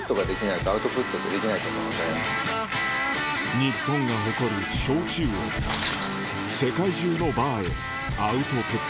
日本が誇る焼酎を世界中のバーへアウトプット